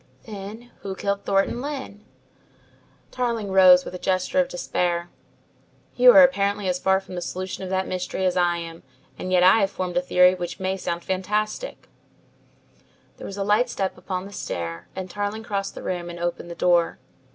"Then, who killed Thornton Lyne?" Tarling rose with a gesture of despair. "You are apparently as far from the solution of that mystery as I am, and yet I have formed a theory which may sound fantastic " There was a light step upon the stair and Tarling crossed the room and opened the door.